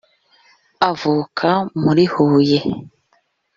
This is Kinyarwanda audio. avuka muri huye